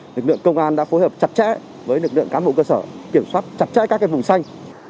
lực lượng công an đã phối hợp chặt chẽ với lực lượng cán bộ cơ sở kiểm soát chặt chẽ các vùng xanh